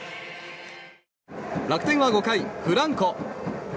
楽天は５回、フランコ。